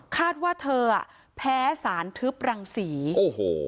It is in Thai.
คาดว่าเธออ่ะแพ้สารทึบรังศรีโอ้โห